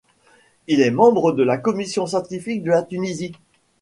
Il est membre de la commission scientifique de la Tunisie.